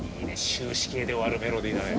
終止形で終わるメロディーだね。